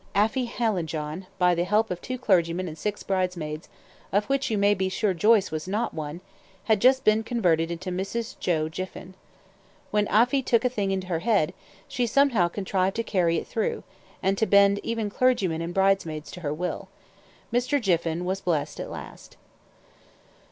Afy Hallijohn, by the help of two clergymen and six bridesmaids, of which you may be sure Joyce was not one, had just been converted into Mrs. Joe Jiffin. When Afy took a thing into her head, she somehow contrived to carry it through, and to bend even clergymen and bridesmaids to her will. Mr. Jiffin was blest at last.